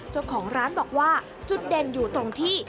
เจ้าของร้านบอกว่าจุดเด่นอยู่ตรงที่